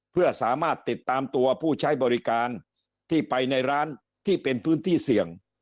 เพื่อสามารถติดตามตัวผู้ใช้บริการที่ไปในร้านที่เป็นพื้นที่เสี่ยง